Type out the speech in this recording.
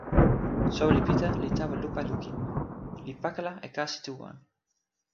soweli Pita li tawa lupa lukin, li pakala e kasi tu wan.